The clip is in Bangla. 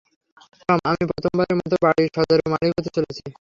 টম, আমি প্রথমবারের মতো বাড়ির শজারু মালিক হতে চলেছি।